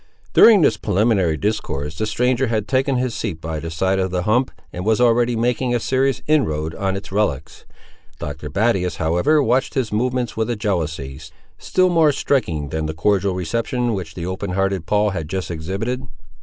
During this preliminary discourse the stranger had taken his seat by the side of the hump, and was already making a serious inroad on its relics. Dr. Battius, however, watched his movements with a jealousy, still more striking than the cordial reception which the open hearted Paul had just exhibited.